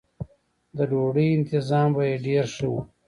د ډوډۍ انتظام به یې ډېر ښه و.